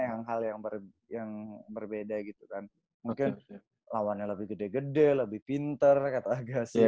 yang hal yang berbeda gitu kan mungkin lawannya lebih gede gede lebih pinter kata gasnya